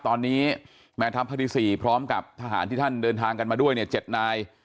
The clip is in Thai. ตอนนี้แม่ทัพภาคที่๔พร้อมกับทหารที่ท่านเดินทางกันมาด้วยเนี่ย๗นาย